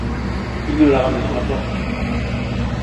Il ne la ramènera pas.